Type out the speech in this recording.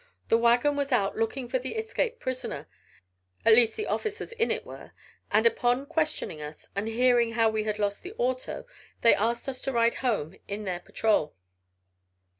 The wagon was out looking for the escaped prisoner, at least the officers in it were, and upon questioning us, and hearing how we had lost the auto, they asked us to ride home in their patrol!"